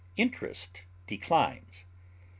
Interest declines.